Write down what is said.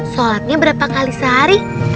solatnya berapa kali sehari